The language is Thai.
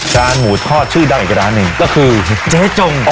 หมูทอดชื่อดังอีกร้านหนึ่งก็คือเจ๊จง